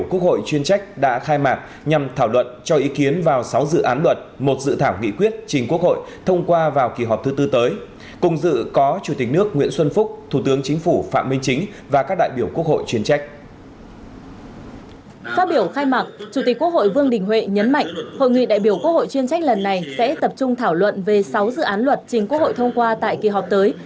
quốc hội vương đình huệ nhấn mạnh hội nghị đại biểu quốc hội chuyên trách lần này sẽ tập trung thảo luận về sáu dự án luật trình quốc hội thông qua tại kỳ họp tới